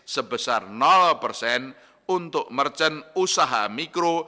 sebesar persen untuk merchant usaha mikro